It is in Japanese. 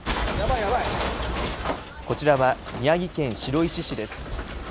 こちらは宮城県白石市です。